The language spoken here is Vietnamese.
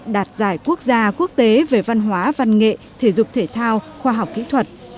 đạt giải quốc gia quốc tế về văn hóa văn nghệ thể dục thể thao khoa học kỹ thuật